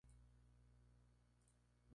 Su nombre latino significa "brillante".